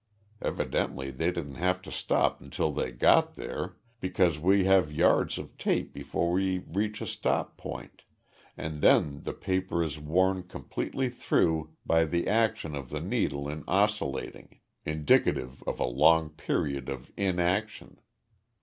Evidently they didn't have to stop until they got there, because we have yards of tape before we reach a stop point, and then the paper is worn completely through by the action of the needle in oscillating, indicative of a long period of inaction.